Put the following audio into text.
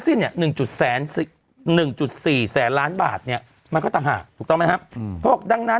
สิ้นเนี่ย๑๑๔แสนล้านบาทเนี่ยมันก็ต่างหากถูกต้องไหมครับเขาบอกดังนั้น